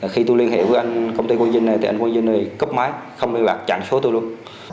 khi tôi liên hệ với anh công ty quang dinh này thì anh quang dinh này cấp máy không liên lạc chặn số tôi luôn